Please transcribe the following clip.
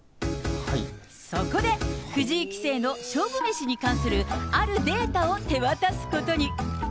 そこで藤井棋聖の勝負メシに関するあるデータを手渡すことに。